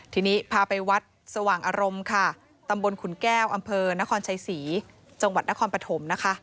ทีนี้พาไปวัดสว่างอารมณ์ค่ะตำบลขุนแก้วอำเภอนครชัยศรีจังหวัดนครปฐมนะคะ